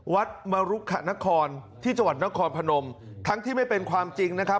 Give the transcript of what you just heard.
มรุขนครที่จังหวัดนครพนมทั้งที่ไม่เป็นความจริงนะครับ